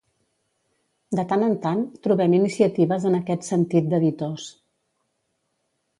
De tant en tant trobem iniciatives en aquest sentit d'editors.